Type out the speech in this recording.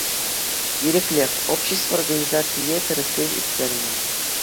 «Ирӗклӗх» общество организацийӗ тӗрӗслев ирттернӗ.